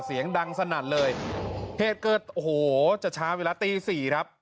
เสียงดังสนั่นเลยเหตุเกิดโอ้โหจะช้าเวลาตีสี่ครับ